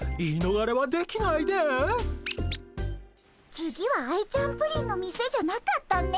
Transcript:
次はアイちゃんプリンの店じゃなかったね。